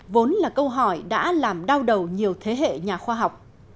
vốn là câu hỏi đã làm đau đầu nhiều thế hệ nhà khoa học